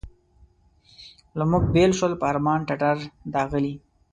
له موږ بېل شول په ارمان ټټر داغلي.